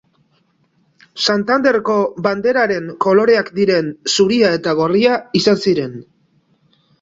Santanderko banderaren koloreak diren zuria eta gorria izan ziren.